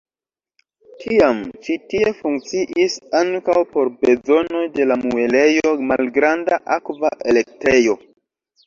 Tiam ĉi tie funkciis ankaŭ por bezonoj de la muelejo malgranda akva elektrejo.